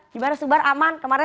gimana sumbar aman kemarin lalu